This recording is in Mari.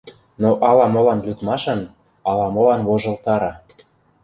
Но ала-молан лӱдмашан, ала-молан вожылтара.